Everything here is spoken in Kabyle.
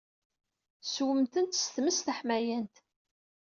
Sewwem-tent s tmes taḥmayant.